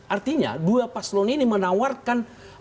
artinya dua paslon ini menawarkan